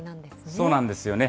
そうなんですよね。